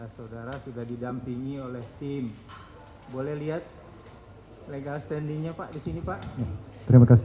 saudara sudah didampingi oleh tim boleh lihat legal standingnya pak di sini pak terima kasih